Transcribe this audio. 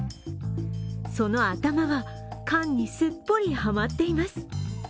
その頭は、缶にすっぽりはまっています。